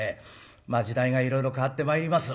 まあ時代がいろいろ変わってまいります。